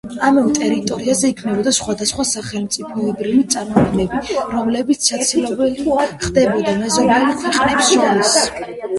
ამავე ტერიტორიაზე იქმნებოდა სხვადასხვა სახელმწიფოებრივი წარმონაქმნები, რომლებიც საცილობელი ხდებოდა მეზობელ ქვეყნებს შორის.